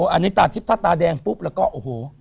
อันนี้ตาทิพย์ถ้าตาแดงปุ๊บแล้วก็โอ้โห